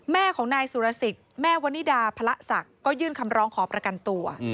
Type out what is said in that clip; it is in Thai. แม่ของนายสุรสิทธิ์แม่วนิดาพระศักดิ์ก็ยื่นคำร้องขอประกันตัว